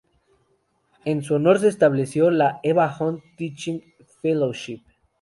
En su honor, se estableció la "Eva Hunt Teaching Fellowship".